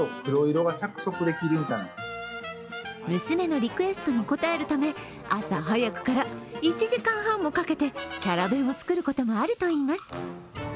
娘のリクエストに応えるため朝早くから１時間半もかけてキャラ弁を作ることもあるといいます。